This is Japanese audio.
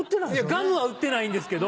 ガムは売ってないんですけど。